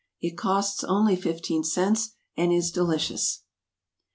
It costs only fifteen cents, and is delicious.